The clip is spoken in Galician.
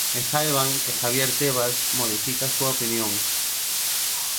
E saiban que Javier Tebas modifica a súa opinión.